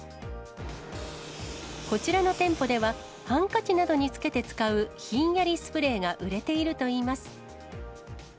こちらの店舗では、ハンカチなどにつけて使うひんやりスプレーが売れているといいます。